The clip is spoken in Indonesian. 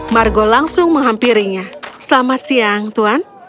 margo langsung menghampirinya selamat siang tuan